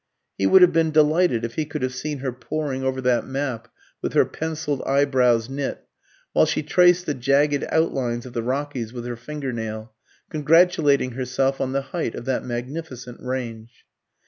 He would have been delighted if he could have seen her poring over that map with her pencilled eyebrows knit, while she traced the jagged outlines of the Rockies with her finger nail, congratulating herself on the height of that magnificent range.